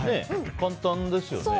簡単ですよね。